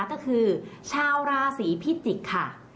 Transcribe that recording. ก็คือชาวราศีพิจิกษ์ค่ะ